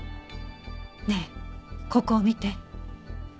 ねえここを見て。